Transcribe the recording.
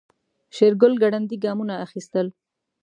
شېرګل ګړندي ګامونه اخيستل.